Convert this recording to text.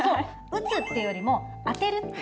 打つっていうよりも当てるっていう。